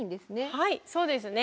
はいそうですね。